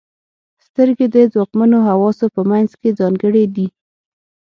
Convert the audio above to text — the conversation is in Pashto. • سترګې د ځواکمنو حواسو په منځ کې ځانګړې دي.